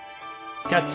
「キャッチ！